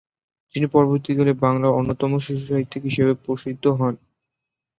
যিনি পরবর্তীকালে বাংলার অন্যতম শিশুসাহিত্যিক হিসাবে প্রসিদ্ধ হন।